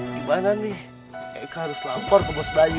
gimana nih eike harus lampor ke bos bayu